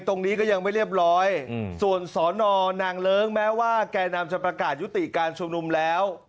ตรงนี้ก็ยังไม่เรียบร้อยส่วนสอนอนางเลิ้งแม้ว่าแก่นำจะประกาศยุติการชุมนุมแล้ว